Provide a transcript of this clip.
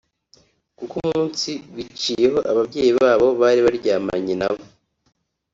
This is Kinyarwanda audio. kuko umunsi biciyeho ababyeyi babo bari baryamanye nabo